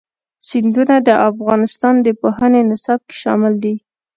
سیندونه د افغانستان د پوهنې نصاب کې شامل دي.